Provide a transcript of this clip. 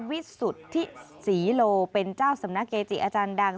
วิสุทธิศรีโลเป็นเจ้าสำนักเกจิอาจารย์ดัง